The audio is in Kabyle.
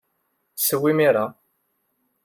Sew imir-a!